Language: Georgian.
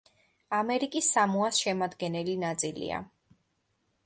ამერიკის სამოას შემადგენელი ნაწილია.